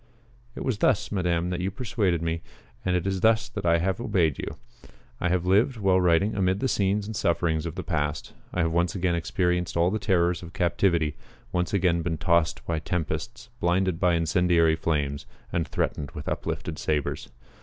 It was thus, Madame, that you persuaded me, and it is thus that I have obeyed you. I have lived, while writing, amid the scenes and sufferings of the past. I have once again experienced all the terrors of captivity once again been tossed by tempests, blinded by incendiary flames, and threatened with uplifted sabres.